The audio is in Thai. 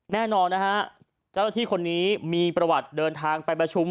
แน่นอนนะฮะเจ้าหน้าที่คนนี้มีประวัติเดินทางไปประชุม